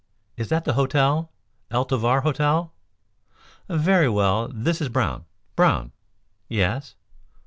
Is that the hotel, El Tovar Hotel? Very well; this is Brown. Brown! Yes.